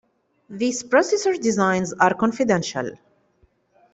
These processor designs are confidential.